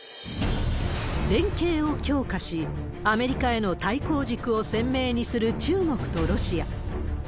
連携を強化し、アメリカへの対抗軸を鮮明にする中国とロシア。